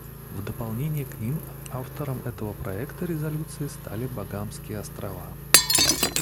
В дополнение к ним автором этого проекта резолюции стали Багамские Острова.